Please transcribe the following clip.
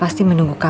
elsa memang jelaskan